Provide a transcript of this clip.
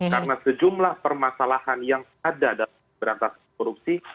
karena sejumlah permasalahan yang ada dalam pemberantasan korupsi